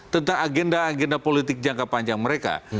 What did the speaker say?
tentang agenda agenda politik jangka panjang mereka